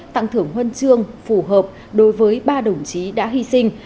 tặng thưởng huân chương phù hợp đối với ba đồng chí đã hy sinh